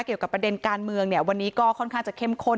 เกี่ยวกับประเด็นการเมืองเนี่ยวันนี้ก็ค่อนข้างจะเข้มข้น